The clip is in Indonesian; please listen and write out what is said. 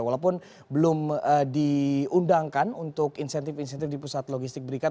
walaupun belum diundangkan untuk insentif insentif di pusat logistik berikat